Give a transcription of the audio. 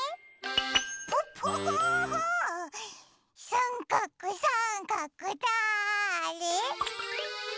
さんかくさんかくだれ？